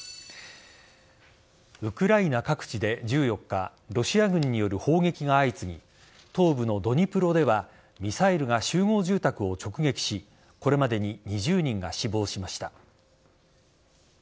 ウクライナ各地で１４日ロシア軍による砲撃が相次ぎ東部のドニプロではミサイルが集合住宅を直撃しこれまでに２０人が死亡しました。